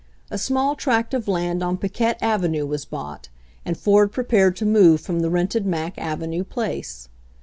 A small tract of land on Piquette avenue was bought and Ford prepared to move from the rented Mack avenue place.